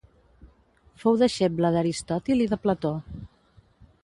Fou deixeble d'Aristòtil i de Plató.